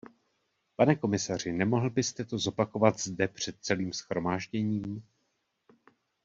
Pane komisaři, nemohl byste to zopakovat zde před celým shromážděním?